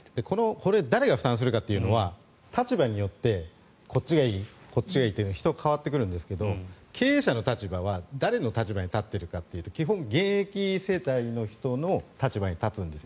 これ、誰が負担するかというのは立場によってこっちがいいこっちがいいと変わってくるんですけど経営者の立場は誰の立場に立っているかというと基本、現役世代の人の立場に立つんです。